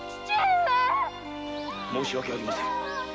申し訳ありません。